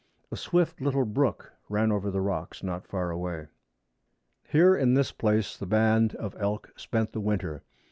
A swift little brook ran over the rocks not far away. Here in this place the band of elk spent the winter.